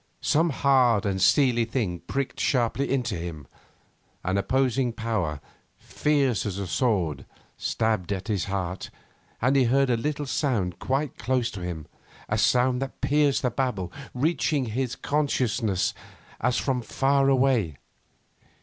Some hard and steely thing pricked sharply into him. An opposing power, fierce as a sword, stabbed at his heart and he heard a little sound quite close beside him, a sound that pierced the babel, reaching his consciousness as from far away.